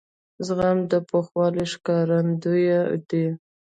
زغم د پوخوالي ښکارندوی دی.